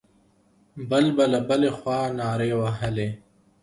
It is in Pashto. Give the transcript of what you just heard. بل به له بلې خوا نارې وهلې.